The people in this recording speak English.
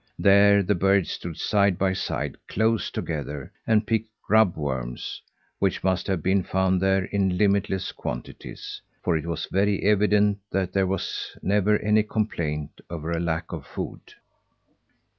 There the birds stood side by side close together and picked grub worms which must have been found there in limitless quantities for it was very evident that there was never any complaint over a lack of food.